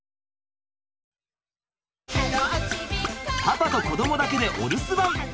パパと子どもだけでお留守番。